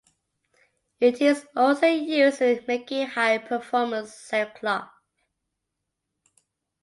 It is also used in making high performance sailcloth.